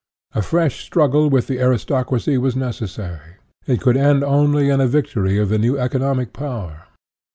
A fresh struggle with the aristocracy was necessary; it could end only in a victory of the new economic power.